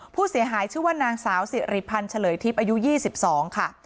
ผู้เสียหายชื่อว่านางสาวสิริพันธ์เฉลยทิพย์อายุ๒๒ค่ะ